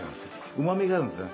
うまみがあるんですよね。